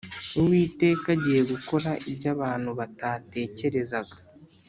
Uwiteka agiye gukora ibyo abantu batatekerezaga